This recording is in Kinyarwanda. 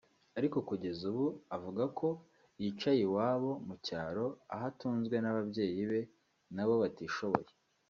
Ariko kugeza ubu avuga ko yicaye iwabo mu cyaro aho atunzwe n’ababyeyi be na bo batishoboye